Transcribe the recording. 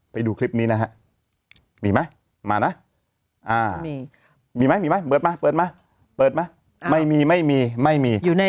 ไปดูคลิปนี้นะครับมีไหมมานะมีไหมมีไหมเปิดมาเปิดมาไม่มีไม่มีไม่มี